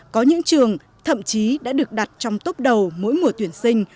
có những trường thậm chí đã được đặt trong tốc đầu mỗi mùa tuyển sinh